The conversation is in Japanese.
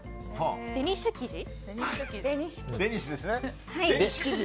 デニッシュ生地。